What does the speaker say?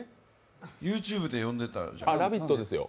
ＹｏｕＴｕｂｅで呼んでただろう？